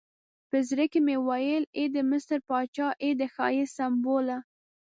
په زړه کې مې ویل ای د مصر پاچا، ای د ښایست سمبوله.